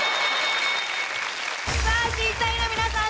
審査員の皆さん